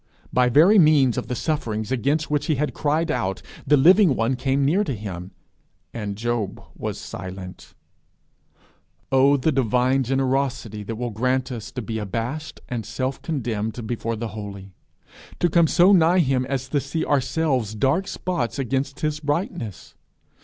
By very means of the sufferings against which he had cried out, the living one came near to him, and he was silent. Oh the divine generosity that will grant us to be abashed and self condemned before the Holy! to come so nigh him as to see ourselves dark spots against his brightness!